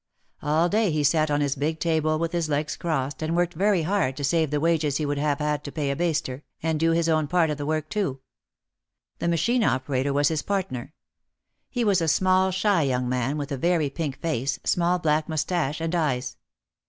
All day he sat on his big table with his legs crossed and worked very hard to save the wages he would have had to pay a baster, and do his own part of the work too. The machine operator was his partner. He was a small shy young man with a very pink face, small black moustache and eyes.